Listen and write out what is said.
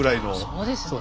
そうですね。